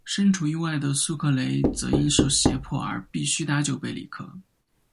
身处狱外的苏克雷则因受胁迫而必须搭救贝里克。